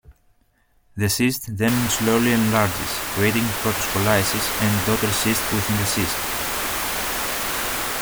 The cyst then slowly enlarges, creating protoscolices and daughter cysts within the cyst.